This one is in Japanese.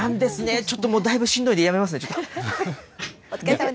ちょっともうだいぶしんどいんでやめますね。